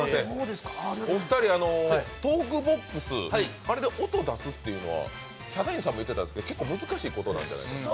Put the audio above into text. お二人、トークボックス、あれで音出すというのはヒャダインさんも言ってたんですけど結構難しいことなんじゃないですか。